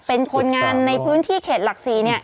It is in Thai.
เป็นคนงานในพื้นที่เข็ดหลักศรีเนี่ย